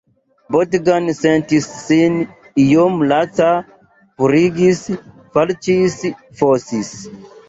Bogdan sentis sin iom laca; purigis, falĉis, fosis.